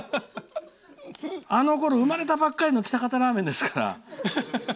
あのころ生まれたばかりの喜多方ラーメンですから。